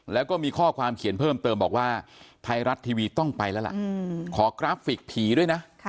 แล้วก็มีข้อความเขียนเพิ่มเติมบอกว่าไทยรัฐทีวีต้องไปแล้วล่ะขอกราฟิกผีด้วยนะ